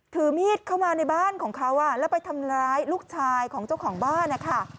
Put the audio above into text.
ถือมีดเข้ามาในบ้านของเขาแล้วไปทำร้ายลูกชายของเจ้าของบ้านนะคะ